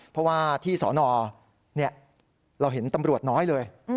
เพราะว่าที่สอนอเราเห็นตำรวจน้อยเลย